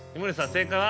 正解は？